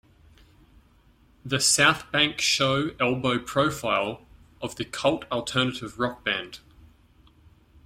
The South Bank Show Elbow Profile of the cult alternative rock band.